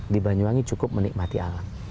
di banyuwangi cukup menikmati alam